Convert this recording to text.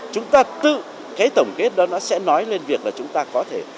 chúng ta tự cái tổng kết đó nó sẽ nói lên việc là chúng ta có thể